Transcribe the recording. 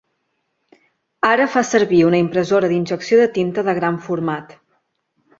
Ara fa servir una impressora d'injecció de tinta de gran format.